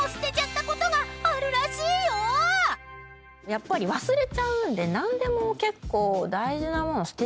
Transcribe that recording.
やっぱり忘れちゃうんで何でも結構。